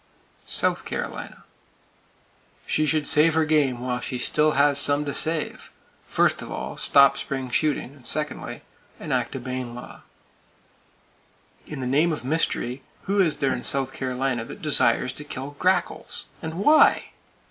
South Carolina: She should save her game while she still has some to save. First of all, stop spring shooting; secondly, enact a Bayne law. In the name of mystery, who is there in South Carolina who desires to kill grackles? And why?